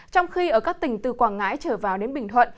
trong khi ở các tỉnh từ quảng ngãi trở vào đến bình thuận